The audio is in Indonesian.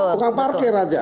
tukang parkir aja